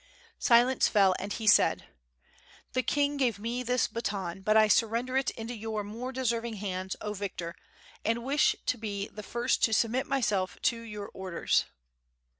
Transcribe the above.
Silence fell and he said: "The King gave me this baton, but I surrender it into your more deserving hands, 0 victor! and wish to be the first to submit myself to your orders."